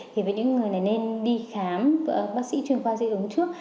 thì với những người này nên đi khám bác sĩ chuyên khoa dây ứng trước